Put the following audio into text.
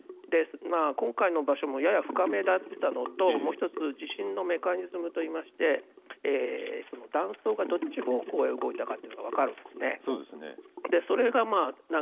今回の場所もやや深めだったのと、もう一つ地震のメカニズムといいまして断層が、どっち方向に動いたのが分かるんですね。